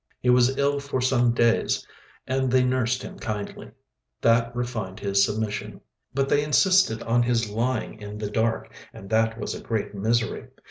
He was ill for some days and they nursed him kindly. That refined his submission. But they insisted on his lying in the dark, and that was a great misery.